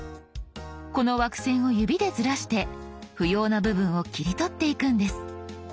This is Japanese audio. この枠線を指でずらして不要な部分を切り取っていくんです。